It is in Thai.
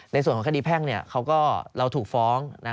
ในส่วนของคดีแพ่งเราถูกฟ้อง